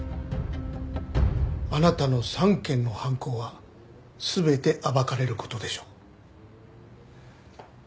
あなたの３件の犯行は全て暴かれる事でしょう。